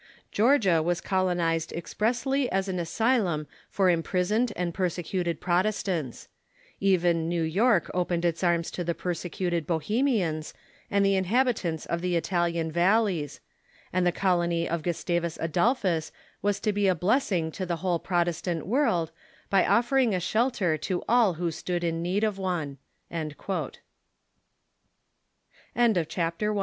Georgia was colonized expressly as an asylum for imprisoned and persecuted Prot estants, Even New York opened its arms to the persecuted Bohemians and the inhabitants of the Italian valleys ; and the colony of Gustavus Adolphus was to be a blessing to the whole Protestant Avorld by offering a shelter to all who stood in need of one." *■* Religion iu America, pp.